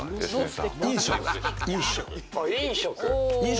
飲食？